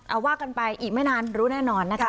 เอาว่ากันไปอีกไม่นานรู้แน่นอนนะคะ